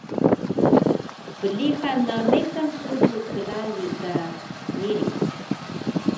Plixan na mekan sudu klaali ka miric